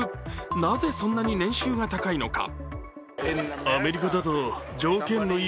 なぜそんなに年収が高いのか。